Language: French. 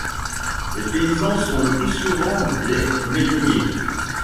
Les paysans sont le plus souvent des métayers.